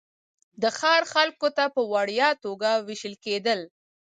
د ښار خلکو ته په وړیا توګه وېشل کېدل.